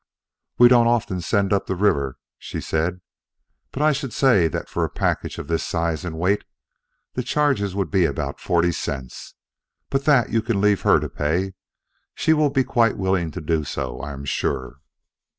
"We don't often send up the river," said she. "But I should say that for a package of this size and weight the charges would be about forty cents. But that you can leave her to pay. She will be quite willing to do so, I am sure."